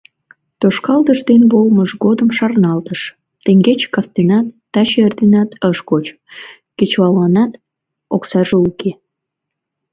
Тошкалтыш дене волымыж годым шарналтыш: теҥгече кастенат, таче эрденат ыш коч. кечывалланат оксаже уке.